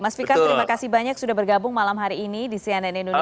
mas fikar terima kasih banyak sudah bergabung malam hari ini di cnn indonesia